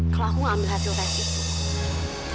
kalau aku ambil hasil tes itu